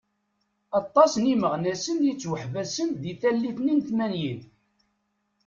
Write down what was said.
Aṭas n imeɣnasen i yettwaḥebsen di tallit-nni n tmanyin.